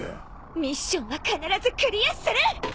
ミッションは必ずクリアする！